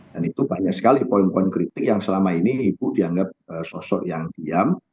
dan itu banyak sekali poin poin kritik yang selama ini ibu dianggap sosok yang diam